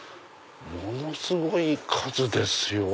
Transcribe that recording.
ものすごい数ですよ。